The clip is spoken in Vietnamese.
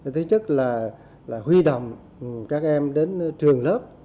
thứ nhất là huy động các em đến trường lớp